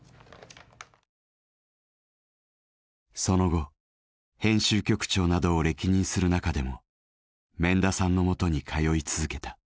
その後編集局長などを歴任する中でも免田さんのもとに通い続けた。